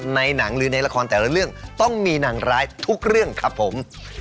ในหนังหรือในละครแต่ละเรื่องต้องมีนางร้ายทุกเรื่องครับผม